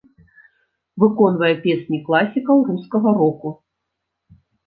Выконвае песні класікаў рускага року.